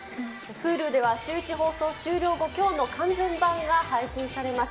Ｈｕｌｕでは、シューイチ放送終了後、きょうの完全版が配信されます。